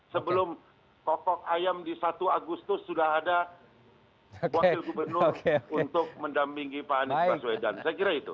sebelum pokok ayam di satu agustus sudah ada wakil gubernur untuk mendampingi pak anies baswedan saya kira itu